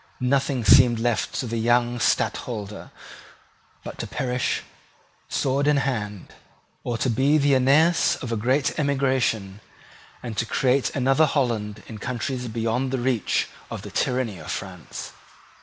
Nothing seemed left to the young Stadtholder but to perish sword in hand, or to be the Aeneas of a great emigration, and to create another Holland in countries beyond the reach of the tyranny of France.